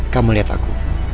kamu lihat aku